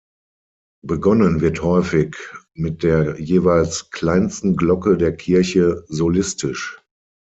Begonnen wird häufig mit der jeweils kleinsten Glocke der Kirche solistisch.